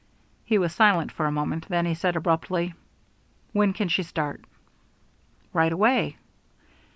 He was silent for a moment, then he said abruptly: "When can she start?" "Right away."